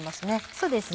そうですね